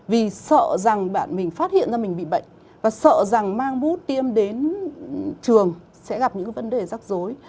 vì sợ rằng bạn mình phát hiện ra mình bị bệnh và sợ rằng mang bút tiêm đến trường sẽ gặp những vấn đề rắc rối